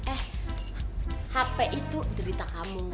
eh hp itu derita kamu